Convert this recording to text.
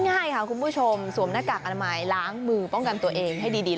ง่ายค่ะคุณผู้ชมสวมหน้ากากอนามัยล้างมือป้องกันตัวเองให้ดี